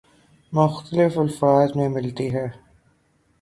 مختلف الفاظ میں ملتی ہے